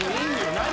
何？